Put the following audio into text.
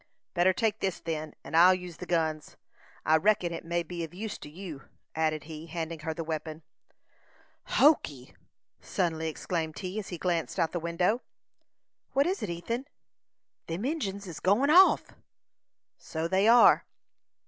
"Better take this, then, and I'll use the guns. I reckon it may be of use to you," added he, handing her the weapon. "Hokee!" suddenly exclaimed he, as he glanced out of the window. "What is it, Ethan?" "Them Injins is go'n off!" "So they are."